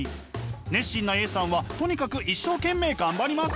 熱心なＡさんはとにかく一生懸命頑張ります。